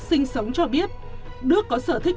sinh sống cho biết đức có sở thích